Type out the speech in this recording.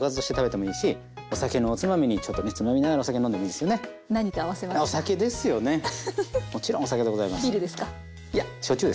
もちろんお酒でございます。